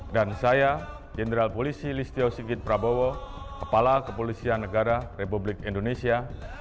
dan saya general polisi listio sigit prabowo kepala kepolisian negara republik indonesia